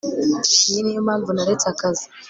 iyi niyo mpamvu naretse akazi